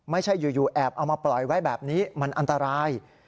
ไม่ใช่อยู่แอบเอามาปล่อยไว้แบบนี้มันอันตราย